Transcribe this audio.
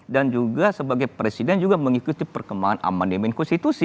juga sebagai presiden juga mengikuti perkembangan amandemen konstitusi